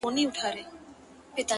o گراني خبري سوې پرې نه پوهېږم؛